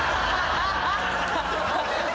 アハハハ！